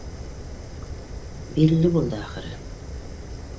—Билле булды, ахыры!